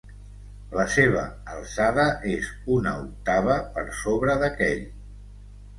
La seva alçada és una octava per sobre d'aquell.